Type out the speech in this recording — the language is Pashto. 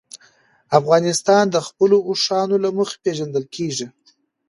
افغانستان د خپلو اوښانو له مخې پېژندل کېږي.